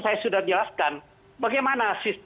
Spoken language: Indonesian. saya sudah jelaskan bagaimana